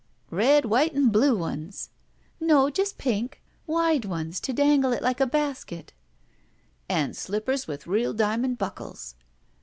'*Red white and blue ones!" ''No, just pink. Wide ones to dangle it like a basket." "And slippers with real diamond buckles."